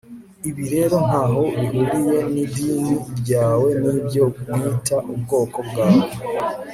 ibi rero ntaho bihuriye n'idini ryawe nibyo mwita ubwoko bwawe